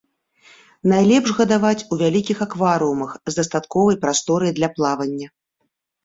Найлепш гадаваць у вялікіх акварыумах з дастатковай прасторай для плавання.